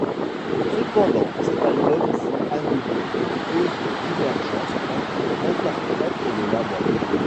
Cependant, cet album fut annulé pour causes de divergence entre l'interprète et le label.